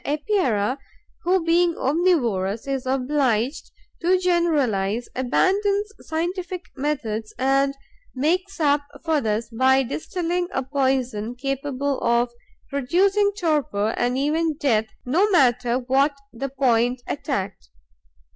The Epeira, who, being omnivorous, is obliged to generalize, abandons scientific methods and makes up for this by distilling a poison capable of producing torpor and even death, no matter what the point attacked.